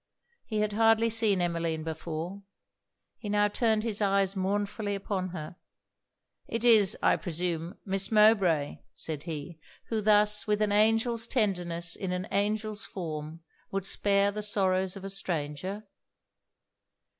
He had hardly seen Emmeline before. He now turned his eyes mournfully upon her 'It is, I presume, Miss Mowbray,' said he, 'who thus, with an angel's tenderness in an angel's form, would spare the sorrows of a stranger?'